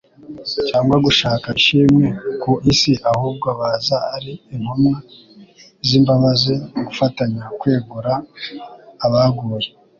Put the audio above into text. cyangwa gushaka ishimwe ku isi, ahubwo baza ari intumwa z'imbabazi gufatanya kwegura abaguye.